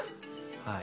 はい。